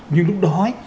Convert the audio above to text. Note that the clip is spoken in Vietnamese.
nhưng lúc đó